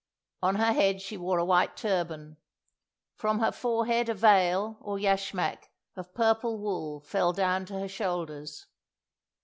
On her head she wore a white turban; from her forehead a veil, or yashmak, of purple wool fell down to her shoulders.